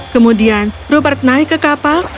kemudian rupert naik ke kapal